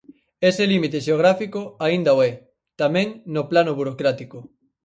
Ese límite xeográfico aínda o é, tamén, no plano burocrático.